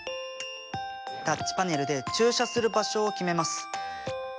タッチパネルで駐車する場所を決めます。